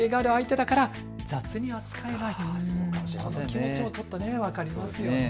気持ち、ちょっと分かりますね。